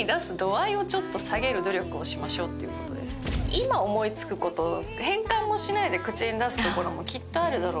今思い付くこと変換もしないで口に出すところもきっとあるだろうし。